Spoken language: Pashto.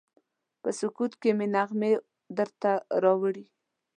په سکوت کې مې نغمې درته راوړي